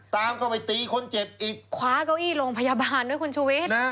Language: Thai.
ตามเข้าไปตีคนเจ็บอีกคว้าเก้าอี้โรงพยาบาลด้วยคุณชูวิทย์